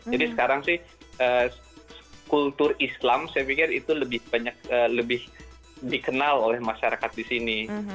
jadi sekarang sih kultur islam saya pikir itu lebih banyak lebih dikenal oleh masyarakat di sini